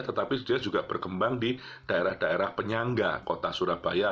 tetapi dia juga berkembang di daerah daerah penyangga kota surabaya